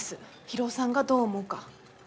博夫さんがどう思うか。